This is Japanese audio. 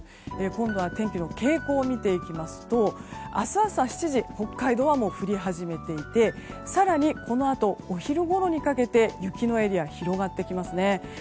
今度は天気の傾向を見ていきますと明日朝７時北海道は降り始めていて更にこのあとお昼ごろにかけて雪のエリア、広がってきますね。